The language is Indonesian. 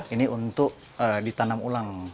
ini untuk ditanam ulang